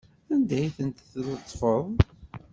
Anda ay tent-tletfeḍ?